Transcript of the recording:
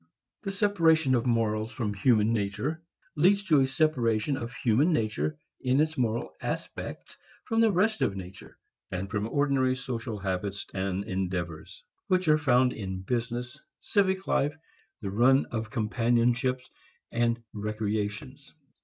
The separation of morals from human nature leads to a separation of human nature in its moral aspects from the rest of nature, and from ordinary social habits and endeavors which are found in business, civic life, the run of companionships and recreations.